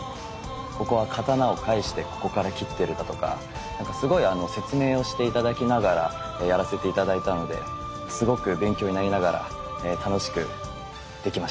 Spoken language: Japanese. ここは刀を返してここから斬ってるだとかすごい説明をして頂きながらやらせて頂いたのですごく勉強になりながら楽しくできました。